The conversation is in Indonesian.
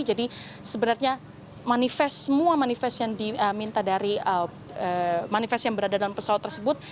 jadi sebenarnya manifest semua manifest yang diminta dari manifest yang berada dalam pesawat tersebut